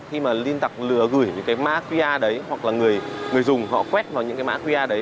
khi mà liên tặc lừa gửi những cái mã qr đấy hoặc là người dùng họ quét vào những cái mã qr đấy